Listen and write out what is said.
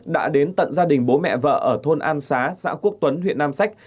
đã đến tận gia đình bố mẹ vợ ở thôn an xá xã quốc tuấn huyện nam sách